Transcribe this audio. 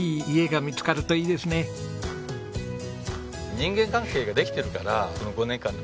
人間関係ができてるからこの５年間で。